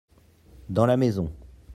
Dans la maison.